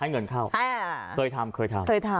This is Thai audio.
ให้เงินเข้าเคยทำเคยทำ